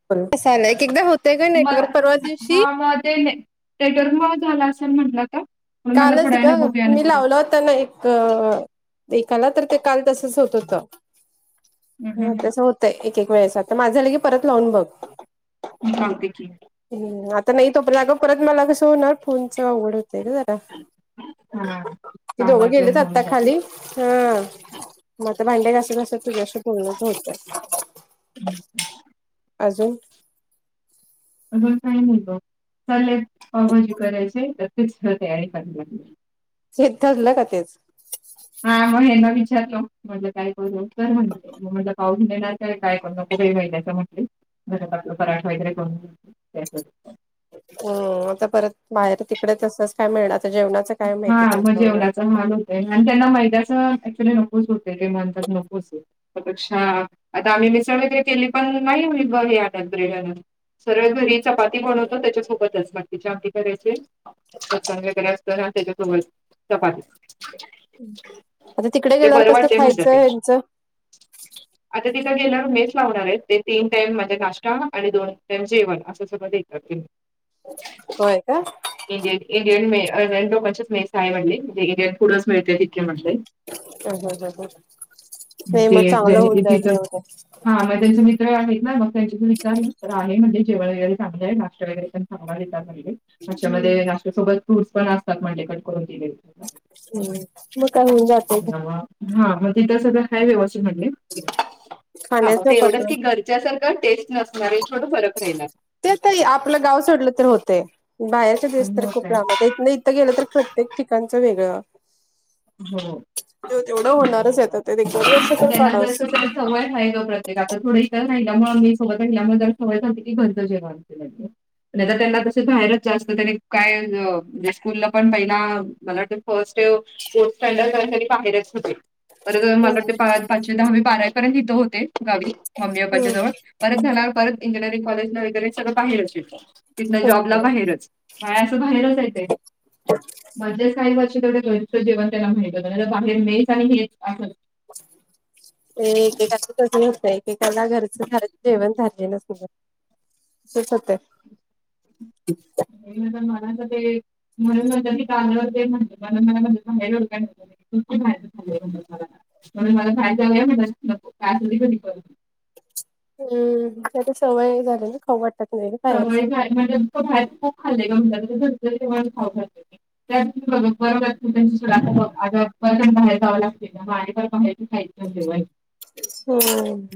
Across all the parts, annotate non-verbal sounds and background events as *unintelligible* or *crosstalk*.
*unintelligible* मला परवा दिवशी हा मध्ये न नेटरम झाला असेल म्हटलं का. म्हणून म्हटलं कालच थोड्या वेळाने ग बघूया ना मी तुला. लावल हो. ताना एक ऐकाला तर ते काल तसच होत होतं. हं हा हं हं तसं होतं एक एक वेळेचा तर माझं ल की परत लावून बघ. कागते की. ह आता नाही तो पणग परत मला कसं होणार फोनच आवड होतय का. हा कि दोघं कामात गेलेच पण होऊन आता जाते. खाली. हा मता भांड्या घास घसत तुझ्याशी पूर्णच होत. हम्. अजून. अजून काही नाही ग चालेल पावबाजी करायचे तर तेच तयारी कररावी लागली. श ठरलं का तेच. हा मग हेना विचारलो म्हटलं काय करू तर म्हण म्हट पाऊस देण्याच आहे काय करण नही महिन्याच म्हटले घरात आपलं पराठ वगैरे करून. *unintelligible* हम् आता परत बाहेर तिकडे तच काय मिळेल आता जेवणा. हा मग जेवणाच हा लोक. आणि त्यांना मैद्याचं ऍक्च्युली नकोच होते की म्हणतात नकोच. चछा आता आम्ही मिसळ वगैे केली पण नाही ब हे आात ब्रेडन. सरळ घरी चपाती बनवतो त्याच्या सोबतच बागकीच्या आमदी घराचेन वगैरे. तर त्याच्यासोबर तपास. आता तिकडे गेल्यावर कसं म्हणतात ते. खायचं हचं. आता तिचा गेणार मेच लावणार आहेत ते तीन टाइम माझे नाश्ता आणि दोन टाइम जेवण असं सगळं देतात तुम्ही. *inaudible* होय का. इंडिय इंडियन मे लोकांच मेस आहे म्हटले म्हणजे इंडियन फूडच मिळते तितके म्हटले. अ ह नाही मग चांगलं होऊन जायल. हा मग त्यांचे मित्र आहेत ना मग त्यांचे त विचारलं तर आहे म्हणजे जेवळ वेर *unintelligible* पण असतात म्हण कट करून दिले. हम् म का. हा मग तिथ सध्या हाय व्यव असित म्हणले. हा खाण्याचं ते एवढंच पत्र की घरच्या सारखं टेस्ट नसणार आहे छोट फरक राहिला. ते तररी आपलं गाव सोडलं तर होते बाहेरच्या दिस पण तर मग खूप काय. रामात त्याथ इथं गेलं तर प्रत्येक ठिकाणचं वेगळं. तेवढं होणारच येतं हो. ते एक दोन वर्ष पण तर त्यांना जर काडस कसं सवय आहेय का प्रत्येक आता थोड इ तर राहिल्यामुळे मी सोत राल्यामुळेर सवय खातते की घंज जेवनते. *unintelligible* त्यांना तस बाहेरच जास्त त्यानी काय म्हणजे स्कूलला पण पहिला मला वा फर्स्ट. बाहेरच होते मला हम्म वा द मी बारावीपर्यंत इथे होते गावी मम्मी अप्पाच्या हम्म. जवळ. परत झाल्यावर परत इंजिनअरंग कॉलेज न वगैरे सगळ बाहेर असेल. तिथ जॉबला बाहेरच मा अस बाहेरच येत मा्या साई गरचं जेवण त्याना माहि बाहेर मेच आणि हे अस. ते तेसं नतय. एकाला घरचं खर जेवण रलेलंस से सतर तर मला क ते म्हणून चाल ते म्हण मला मा बाहेर ओळखु बार झालंला. म्हणून मला बाहेर जाऊया म्हण नको का झा क करत. हम्म त्यारी सवय झाली ना खाऊ वाटत नाही ना बाहेरच. सवय झाली म्हणजे बाहेर खूप खाल्लंय म्हणेण खाऊा त्यात बघ. बरबची सु आ पण बाहेर जावं लागते ना आणि पण बाहेरच खायचव. होम.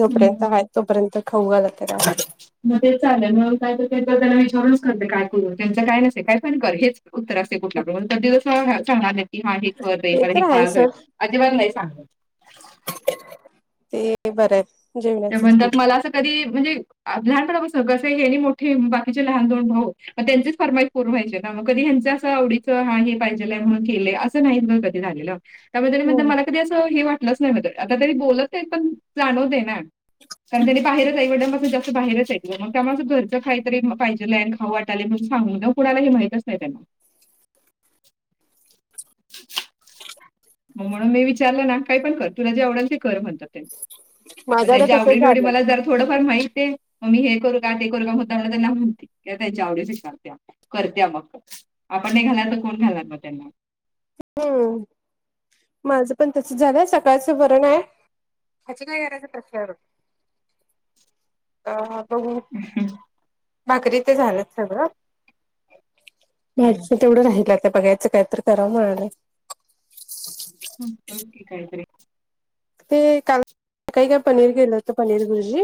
जोपर्यंत आहे तोपर्यंत खाऊ घाला तर मग तेच चालंल मग काय तर त्यांच त्यांना विचारूनच करते काय करू त्यांच काय नसे काय पण कर हेच. उत्तर असते कुठल्याकडून तर दिवस चांगणार नाही. कि हा हे खर रे ते मला हे तर खा आहे सोड अजिबला नाही सांगत. ते बरं आहेत. म्हणतात मला असं कधी म्हणजे लहानपणा बसं कसं हे आणि मोठे बाकीचे लहान दोन भाऊ मग त्यांचीच फरमाईश परून व्हायची ना मग कधी ह्यांचं असं आवडीच हा हे पाहिजे के नाही मग कधी झालेलं. त्यामुळेरी म्हण हम्म मला कधी असं हे वाटलंच नाही म्हण आता तरी बोलत नाही पण जाणव देणार. कारण त्यानी बाहेरच आहे वडंपासून जास्त बाहेरच आहे. मग त्या मा असं घरचं काहीतरी पाहिेलं आणि खऊ वाटाले सांगून कुणाला हे माहितच नाही त्याना मग म्हणून मी विचारलं ना काही पण कर तुला जे आवडेल ते कर म्हणतात त्यांनी मग माझं आता त्याच्या तसंच आवडीनवडीी झालं. मला जर थोडंफार माहित आहे. मग मी हे करू का ते करू का होता म त्यांना म्हणते त्यांच्या आवडी स्वीिकारत्या करत्या मग आपण नाही घाला तर कोण घालात मग त्यांना हम्म माझं पण तस झालंय सकाळचं वरण आहे. हच काय घरायचा प्रश्न अ बघु. ह हम. भाकरी ते झालं सगळं. हम्म. तेवढं नाहीलता बघायचं कायत कराव म्हणालं. हम्की कायते ते काल काही काय पनीर केेलं होत पनीर गुरुजी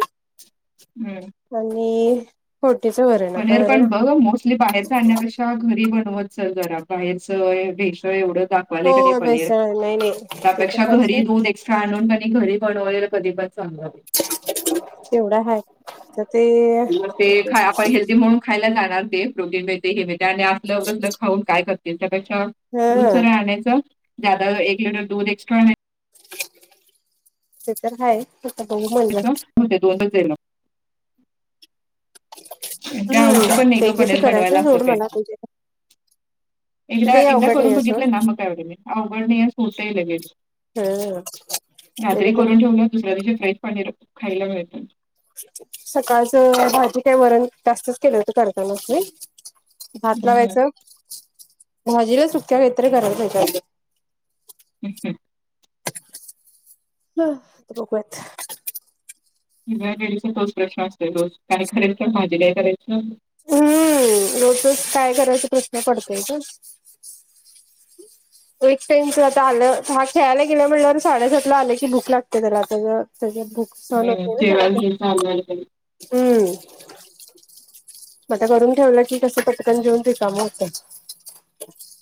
हम्म. आणि फोडणीचं वरण आता पनीर पण वरण बघ आहे मोस्टली पाहायचं आणण्यापे घरी बनवतच जरा बाहेरचं भेश एवढं. हो बेसळ नाही नाही ते तर त्यापेक्षा हाय सोड घरी छ आणूनणी घरी बनवलेला कधीपात सांावी तेवढा हा तर ते मग ते खा आपण हेल्दी म्हणून खायला जाणार प्रोटीनळळ आणि आपलं खाऊन काय कर त्यापेक्षा दूध हा सरळ आणायच जादा एक लिटर दूध एक्स्ट्रा आणा. ते तर हाय आता ब मजा. आणायचं दोनच ये. काय हम्म आवड पण नाही ते ग एक दिवशी पढर करायचं बनवायला असं सोड काही मला तुझ्या एकदा लई एकदा अवघड नाही करून आहे सोड बघितलं ना मग एवड म अवघडणी सत लगेच हम्म. नाही तर रात्री ते करून ठेवून दुसऱ्या दिवशी फ्रेश पानीर खायला मिळतं. सकाळच भाजी काय वरण जास्तच केलं होत करताना आपले भात हम्म लावायचं भाजीला सुक्या वतरी करायला घयच्या. हा आ ते बघूयात. निम्म्या लेडीजाना तोच प्रश्न असतोय रोज कारण की तर भाजी काय करायची हम्म रोज तेच काय करायचा प्रश्न पडतोय की एक टाईमच होत आलं हा खेळायला गेला म्हल्यावर साडेसातला आलं की भूक लागते त्याला आ त्या भूक सहन होत नाही ना त्याला हम्म पण *unintelligible* हम्म मग ते करून ठेवलं की कसं पटकन जेवून रिकामं होतं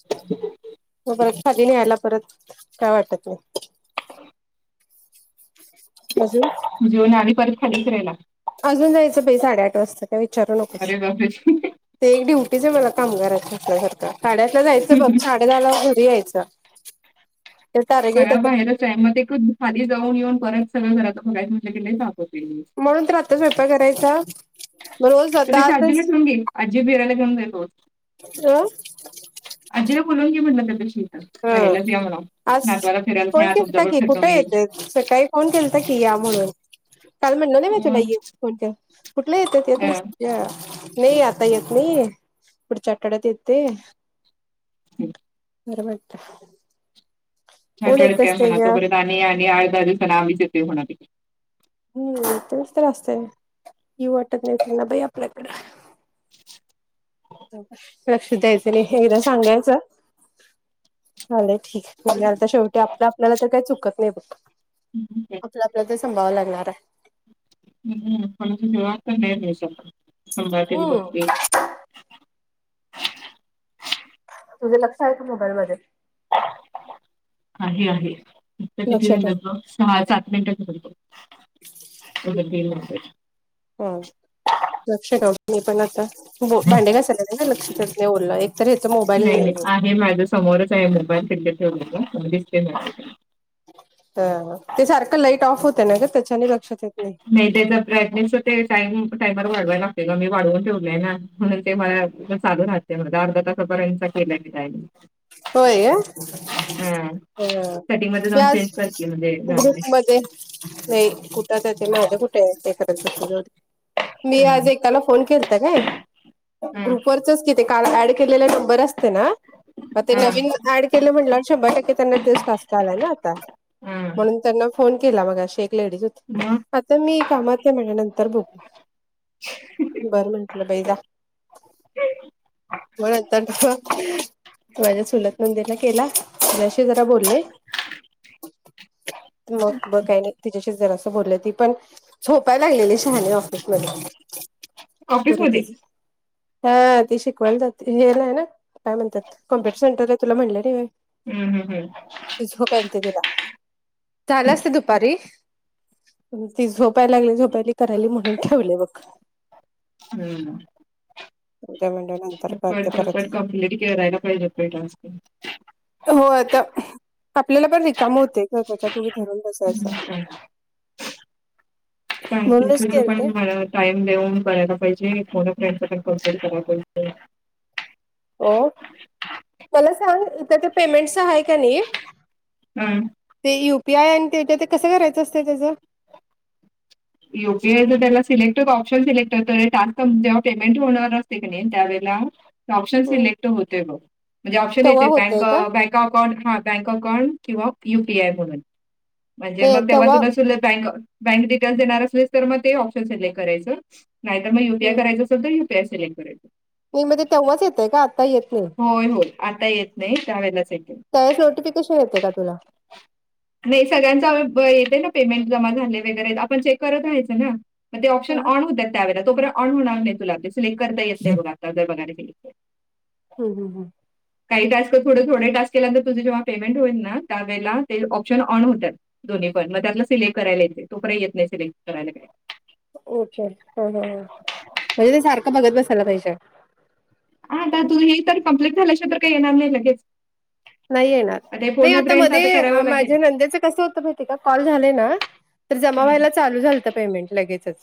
*inaudible* मग परत खाली न्यायला परत काय वाटत नाही अजून जेवण आणि परत खालीच राहिला अजून जायचं बाई साडे आठ वाजता काय विचारू नकोस अरे बापरे ते ड्युटीच आहे मला कामगार असल्यासारखं साडे आठला जायचं बघ साडे दहाला घरी यायचं ते सगळ्या टार्गेटच बाहेरच आहे मग एक खाली जाऊन येऊन परत सगळं घरात बघायच म्हटलं की लय ताप होतोय म्हणून तर आता स्वयंपाक करायचा मग रोज आता त्यापेक्षा आजीला ठेऊन आजच घेईल आजी फिरायला घेऊन जाईल रोज *inaudible* आजीेला बोलवून घे म्हणलं त्यापेक्षा इथ हा राहायलाच या म्हणावं आज नातवाला फिरायला फोन न्या तुमच केलता पण की फिरणं कुठे होईल येते सकाळी फोन केलता की या म्हणून काल म्हणलं नाही मी तुला यं कुठल्या येत्याती अ नाही आता येत नाही पुढच्या आठवड्यात येतोय हम्म *unintelligible* ऊन येत आत्याला असतंय म्हणावं गं तोपर्यंत आम्ही आम्ही आठ-दहा दिवसान आम्हीच येतोय म्हणावं तिकडं हम्म तेच तर असतयं ओ येऊ वाटत नाही त्यांना बाई आपल्याकड लक्ष द्यायचं नाही एकदा सांगायचं आल्या ठीक आता शेवटी आपलं आपल्या तर काही चुकत नाही बघ हम्म हम्म आपलं आपल्या ते सांभाळाय लागणार आहे हम्म हम्म *unintelligible* तुझे लक्ष आहे का मोबाईलमध्ये आहे आहे तर किती लक्ष ठेव झाल्यात बघ सहा सात मिनिटं झाल्यात बघ हो लक्ष मी पण आता भांडी घसाल्यास ना लक्ष तने बोललं एक तर मोबाईल नाही नाही आहे माझ्या समोरच आहे मोबाईल *unintelligible* अ ते सारखं लाईट ऑफ होतं ना गं त्याच्याने लक्षात येत नाही नाही त्याचा ब्राईटनेस ते टाईमिग टाइमर वाढवायला लागतंय गं मी वाढवून ठेवलाय ना म्हणून ते माझ्यात चालू राहतय मग अर्धा तासापर्यंत केल्या मी त्यानी होय ह सेटिंग मध्ये जाऊन चेंज याच कर की म्हणजे जाते. ग्रुपमध्ये नाही कुठं त्या ते माझं कुठे आहे ते करत बसु जाऊदे मी आज हा एकाला फोन केलता काय हा ग्रुपवरचच कि काल ऍड केलेला नंबर असते ना ते हा नवीन ऍड केले म्हटल्यावर शंभर टक्के त्यांना तेच टास्क आलाय ना आता हा म्हणून त्यांना फोन केला मगाशी एक लेडीज होती मग आता मी कामात म्हणे नंतर बघू बरं म्हटलं बाई जा मग नंतरन माझ्या चुलत नंदेन केला त्याच्याशी जरा बोलले मग बग काही नाही तिच्याशीच जरास बोले ती पण सोपायला लागलेली शहाले ऑफिस मध्ये पुरं ऑफिसमध्ये तिच. हा ती शिकवायला जाते हेलाय ना काय म्हणत्यात. कम्प्युटर सेटर आहे तुला म्हटलं वय. हम् हम् हम्. झोपल यालती तिला चालली हम्म असती दुपारी. ती झोपायला लागली झोपायला करायली म्हणून ठेवले बघ. होय ना. उद्या म्हणलं नंतर चफट करते परत च्पट कंप्लीिट करायला पाहिजे टास्क. हो आता आपल्याला पण रिकाम होते. त्याच्या धरण दास हाईसा. सां म्हणूनच त पण केलते मला *unintelligible* टाइम देऊन करायला पाहिजे फोन ऑफ फ्रेंड कन्से्ट कराला पाहिजे. हो मला सांग इथं ते पेमेंटस आहे का नाही. हं ते युपी आय आणि ते ते कसं करायचं असते त्याचं. युपीआय जर त्याला सिलेक्ट ऑप्शन सिलेक्ट तर टस्क कम्प जे्हा पेमेंट होणार असतं. ते कने त्यावेळेला ऑप्शन हम्म सिलेक्ट होतंय बघ म्हणजे ऑप्शन तेव्हा येते बँक होतय का बँक. अकाउंट हा बँक अकाउंट किंवा युपीआय म्हणून. म्हणजे मग तेव्हा तुला सु बँक बँक डिटेल्स देणार असे तर मग ते ऑप्शन सिलेक्ट करायचं. नाही तर मग युपीआय हम्म करायचं असल तरं यूपीआय सिलेक्ट करायचं. म म्हणजे तेव्हाच येतेय का आता येत नाही. होय होय आता येत नाही त्या वेळेलाच येतंय. त्याच नोटिफिकेशन येते का तुला. नाही सगळ्यांचा अ ब येते ना पेमेंट जमा झाले वगैरे आपण चेक करत राहायचं ना. मग ते ऑप्नऑन होतात त्या वेळे तोपर्यंत ऑन होणार नाही तुलाग ते सिलेक्ट करता येत नाही आत्ता जर बघायला गेलीस तर. हम हम. काही टास्क थों थोडे टास्क केल्यानंत तुझे जेव्हा पेमेंट होईल ना त्यावेळेला ते ऑप्शन ऑन होतात. दोन्ही पण ग त्या आपला सिलेक्ट करायलायेते तो काही येत नाही सिलेक्ट करायला काय. ओके हा हा म्हणजे ते सारखं बघत बसायला पाहिजे. आ तू हे तर कम्प्लीट झाल्याशि तर काही येणार नाही लगेच. नाही येणार हे नाही फोन आता फ्रेंडच मध्ये करावं लागेल. माझ्या नंद्याचं कसं होतं माहिती का कॉल झाले ना. तर जमा हम्म. व्हायला चालू झालतं पेमेंट लगेचच.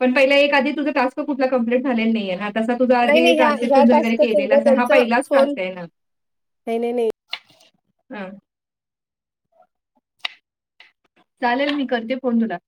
पण पहिला एक आधी तुं टास्क कुठ कमप्लीटले नाही आहे ना. तसा तुझा नाही आधी नाही ह्या ह्या ट्रान्झॅक्शन वगैरे टास्कच केलेला अस हा त्यांच पहिलाच फोन टास्क आहे ना. नाही नाही नाही हम. चालेल मी करते फोन तुला.